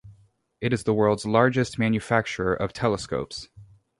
It is the world's largest manufacturer of telescopes.